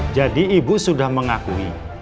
jadi ibu sudah mengakui